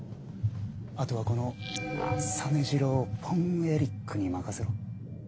あとはこの実次郎・フォン・エリックに任せろ。